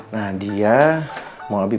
nah dia mau abi